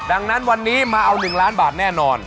ดังนั้นวันนี้มาเอา๑ล้านบาทแน่นอน